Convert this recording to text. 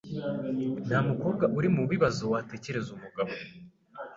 Nta mukobwa uri mubibazowatekereza umugabo